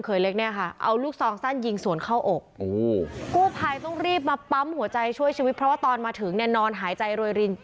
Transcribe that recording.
คือเขาเป็นไม่เหมือนไม้เมากันมา